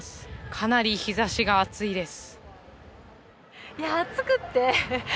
かなり日差しが暑いです。